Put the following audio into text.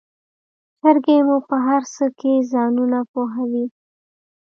چرګې مو په هرڅه کې ځانونه پوهوي.